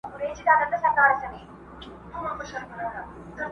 باندي اوښتي وه تر سلو اضافه کلونه٫